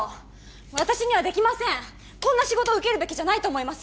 私にはできませんこんな仕事受けるべきじゃないと思います